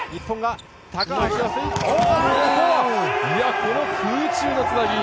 この空中のつなぎ！